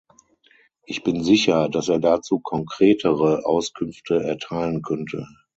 Ich bin sicher, dass er dazu konkretere Auskünfte erteilen könnte.